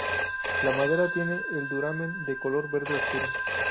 La madera tiene el duramen de color verde oscuro.